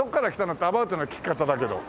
ってアバウトな聞き方だけど。